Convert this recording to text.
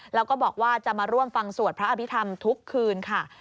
แล้วก็บอกว่าจะมาร่วมฟังสวดพระอภิษฐรรมทุกคืนค่ะ